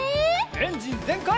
エンジンぜんかい！